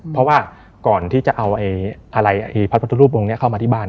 เพราะว่าก่อนที่จะเอาพระพุทธรูปองค์นี้เข้ามาที่บ้าน